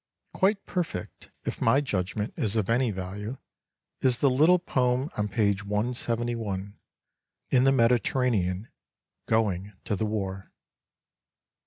Quite perfect, if my judgment is of any value, is the little poem on page 171, "In the Mediterranean — Going to the War."